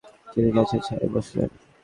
তিনি গাছের ছায়ায় বসলেন।